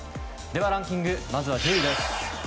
では、ランキング１０位です。